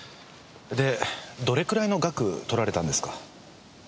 でどれくらいの額取られたんですか？